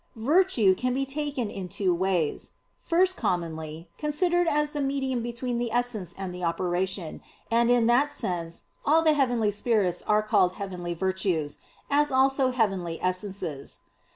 "Virtue" can be taken in two ways. First, commonly, considered as the medium between the essence and the operation, and in that sense all the heavenly spirits are called heavenly virtues, as also "heavenly essences."